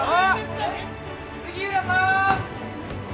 杉浦さん！